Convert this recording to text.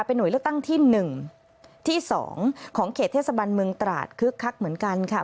หน่วยเลือกตั้งที่๑ที่๒ของเขตเทศบันเมืองตราดคึกคักเหมือนกันค่ะ